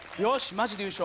マジで優勝。